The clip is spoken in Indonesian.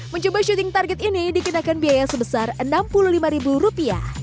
mencoba syuting target ini dikenakan biaya sebesar rp enam puluh lima